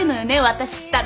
私ったら。